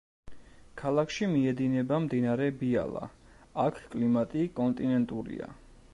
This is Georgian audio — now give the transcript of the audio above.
ქალაქში მიედინება მდინარე ბიალა, აქ კლიმატი კონტინენტურია.